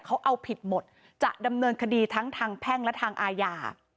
เขาเอาผิดหมดจะดำเนินคดีทั้งทางแพ่งและทางอาญา